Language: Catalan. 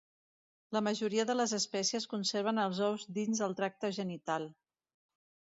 La majoria de les espècies conserven els ous dins del tracte genital.